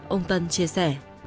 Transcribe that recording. ông tân chia sẻ